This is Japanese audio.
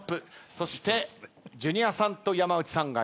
そしてジュニアさんと山内さんが２本。